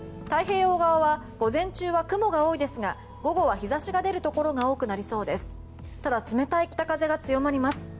太平洋側は午前中は雲が多いですが午後は日差しが出るところが多くなりそうです。